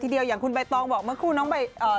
๕ตีเป็นเลข๕นะครับ